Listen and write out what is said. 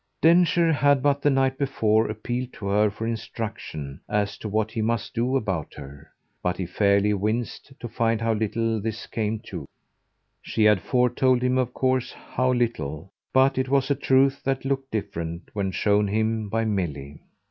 Densher had but the night before appealed to her for instruction as to what he must do about her, but he fairly winced to find how little this came to. She had foretold him of course how little; but it was a truth that looked different when shown him by Milly.